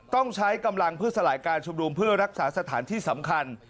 ต้องใช้กำลังเพื่อสลายการชุมนุมเพื่อรักษาสถานที่สำคัญ